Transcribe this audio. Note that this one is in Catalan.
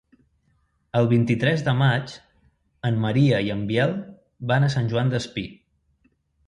El vint-i-tres de maig en Maria i en Biel van a Sant Joan Despí.